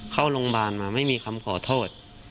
เข้าโรงพยาบาลมาไม่มีคำขอโทษ